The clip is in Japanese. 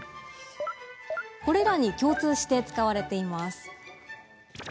これらに共通して使われています。